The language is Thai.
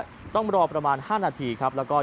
จำนวนนักท่องเที่ยวที่เดินทางมาพักผ่อนเพิ่มขึ้นในปีนี้